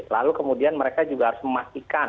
lalu kemudian mereka juga harus memastikan